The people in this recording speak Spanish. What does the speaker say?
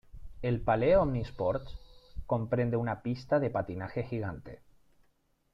El Palais Omnisports comprende una pista de patinaje gigante.